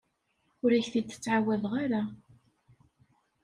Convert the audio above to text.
Ur ak-t-id-ttɛawadeɣ ara.